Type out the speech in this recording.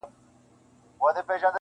• زما غزل تې ستا له حُسنه اِلهام راوړ,